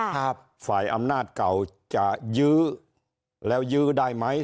ฝ่ายอำนาจเก่าจะยื้อแล้วยื้อได้ไหม